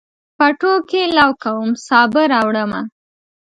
پټوکي لو کوم، سابه راوړمه